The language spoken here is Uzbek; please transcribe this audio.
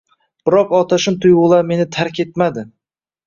Biroq otashin tuyg‘ular meni tark etmadi